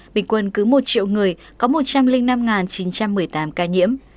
bình quân cứ một triệu người có một trăm linh năm chín trăm một mươi tám ca nhiễm